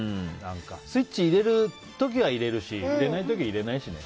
スイッチ入れる時は入れるし入れない時は入れないしね。